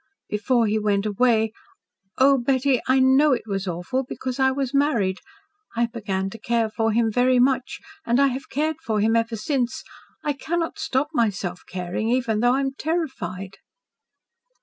Before he went away oh, Betty, I know it was awful because I was married! I began to care for him very much, and I have cared for him ever since. I cannot stop myself caring, even though I am terrified."